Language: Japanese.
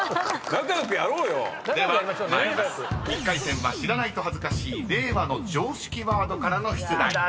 １回戦は知らないと恥ずかしい令和の常識ワードからの出題］